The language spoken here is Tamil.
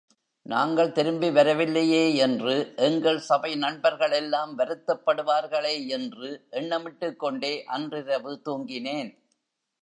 நாங்கள் திரும்பி வரவில்லையேயென்று எங்கள் சபை நண்பர்களெல்லாம் வருத்தப்படுவார்களேயென்று, எண்ணமிட்டுக்கொண்டே அன்றிரவு தூங்கினேன்.